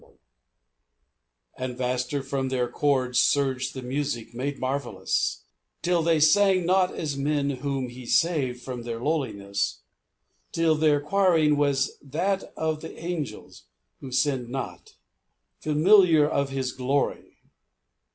82 NIGHT IN HEAVEN And vaster from their chords surged the music made marvelous, Till they sang not as men whom He saved for their lowliness ; Till their quiring was as that of the angels who sinned not, Familiar of His glory.